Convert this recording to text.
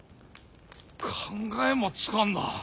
考えもつかんな。